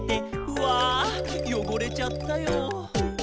「うぁよごれちゃったよ」